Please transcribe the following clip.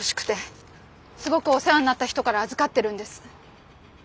すごくお世話になった人から預かってるんです。